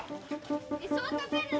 えっそう食べるの？